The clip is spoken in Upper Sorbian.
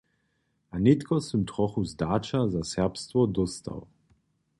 A nětko sym trochu zdaća za serbstwo dóstał.